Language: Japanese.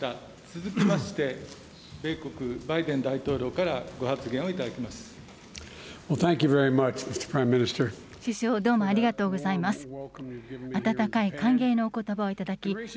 続きまして、米国、バイデン大統領からご発言をいただきます。